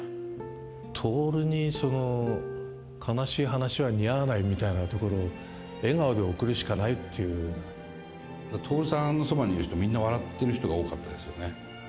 徹に悲しい話は似合わないみたいなところ、笑顔で送るしかな徹さんのそばにいる人、みんな笑ってる人が多かったですよね。